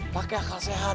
pakai akal sehat